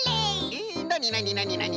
えっなになになになに？